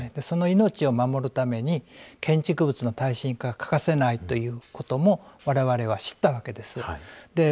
その命を守るために建築物の耐震化が欠かせないということをわれわれは知ったわけです。